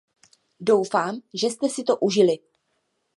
Doufám, že jste si to užili.